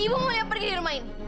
ibu mau lia pergi di rumah ini